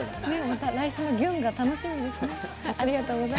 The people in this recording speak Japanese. また来週のギュンが楽しみですね。